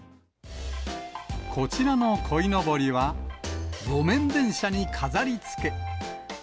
こちらのこいのぼりは、路面電車に飾りつけ。